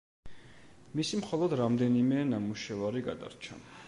მისი მხოლოდ რამდენიმე ნამუშევარი გადარჩა.